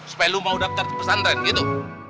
supaya lo mau daftar di pesantren gitu